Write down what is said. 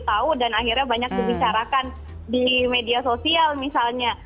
tahu dan akhirnya banyak dibicarakan di media sosial misalnya